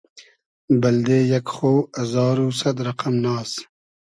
بئلدې یئگ خۉ ازار و سئد رئقئم ناز